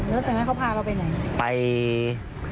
แล้วจากนั้นเขาพาเราไปไหนไป